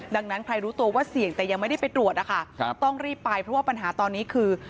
ดังนั้นใครรู้ตัวว่าเสี่ยงแต่ยังไม่ได้ไปตรวจนะคะต้องรีบไปเพราะว่าปัญหาตอนนี้คือ